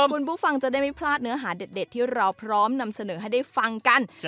คุณผู้ฟังจะได้ไม่พลาดเนื้อหาเด็ดที่เราพร้อมนำเสนอให้ได้ฟังกัน